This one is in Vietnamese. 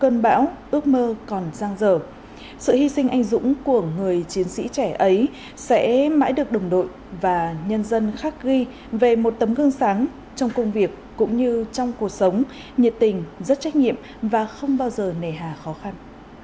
cơn bão ước mơ còn giang dở sự hy sinh anh dũng của người chiến sĩ trẻ ấy sẽ mãi được đồng đội và nhân dân khắc ghi về một tấm gương sáng trong công việc cũng như trong cuộc sống nhiệt tình rất trách nhiệm và không bao giờ nề hà khó khăn